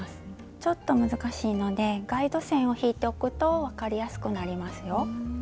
ちょっと難しいのでガイド線を引いておくと分かりやすくなりますよ。